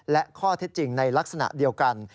และข้อเท็จจริงในลักษณะเดียวกัน